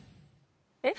えっ？